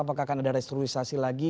apakah akan ada restruisasi lagi